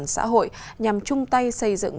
xã hội nhằm chung tay xây dựng